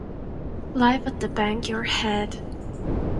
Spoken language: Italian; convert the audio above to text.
Live at the Bang Your Head!!!